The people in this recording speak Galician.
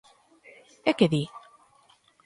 ¿E que di?